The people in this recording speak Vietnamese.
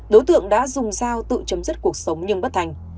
đối tượng đã dùng dao tự chấm dứt cuộc sống nhưng bất thành